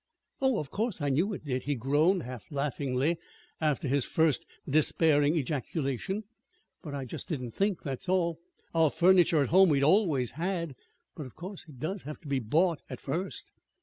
"Oh, of course I knew it did," he groaned, half laughingly, after his first despairing ejaculation. "But I just didn't think; that's all. Our furniture at home we'd always had. But of course it does have to be bought at first."